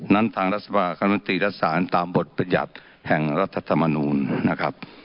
นั้นทางรัฐสมรรถกรรมนตรีรัฐศาลตามบทประหยัดแห่งรัฐธรรมนุนนะครับ